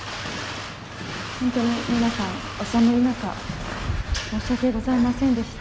本当に皆さん、お寒い中、申し訳ございませんでした。